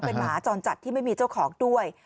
เป็นหมาจรจัดที่ไม่มีเจ้าของด้วย